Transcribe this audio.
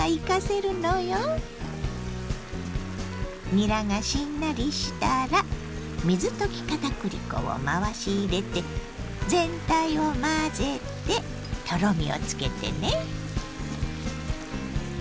にらがしんなりしたら水溶き片栗粉を回し入れて全体を混ぜてとろみをつけてね。